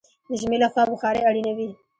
د ژمي له خوا بخارۍ اړینه وي.